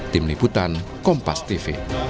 tim liputan kompas tv